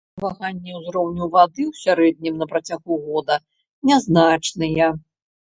Ваганні ўзроўню вады ў сярэднім на працягу года нязначныя.